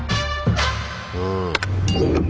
うん。